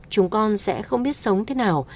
chúng con sẽ không biết sống thế nào